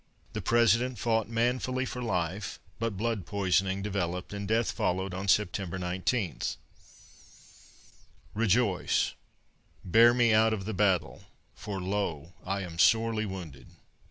The President fought manfully for life, but blood poisoning developed, and death followed on September 19. REJOICE "Bear me out of the battle, for lo! I am sorely wounded."